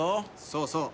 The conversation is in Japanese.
そうそう。